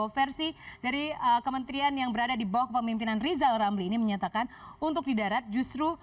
versi dari kementerian yang berada di bawah kepemimpinan rizal ramli ini menyatakan untuk di darat justru